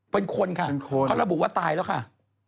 เป็นคนค่ะเขาระบุว่าตายแล้วค่ะ